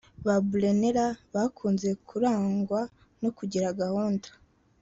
Ba Brunella bakunze kurangwa no kugira gahunda